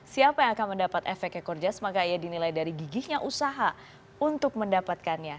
siapa yang akan mendapat efeknya korjas maka ia dinilai dari gigihnya usaha untuk mendapatkannya